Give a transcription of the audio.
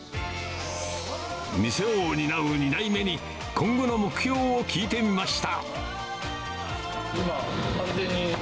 店を担う２代目に、今後の目標を聞いてみました。